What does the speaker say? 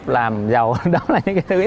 làm giàu đó là những cái thứ